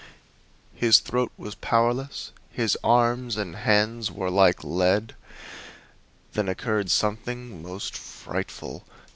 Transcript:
His throat was powerless, his arms and hands were like lead. Then occurred something most frightful.